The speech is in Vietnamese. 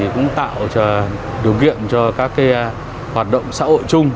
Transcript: cũng tạo điều kiện cho các hoạt động xã hội chung